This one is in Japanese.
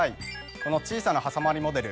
この小さなはさまりモデル